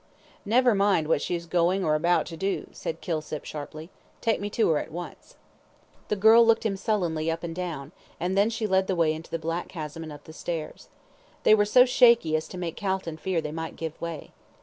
"Never mind what she's doing or about to do," said Kilsip, sharply, "take me to her at once." The girl looked him sullenly up and down, then she led the way into the black chasm and up the stairs. They were so shaky as to make Calton fear they might give way.